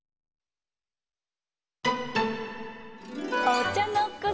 お茶の子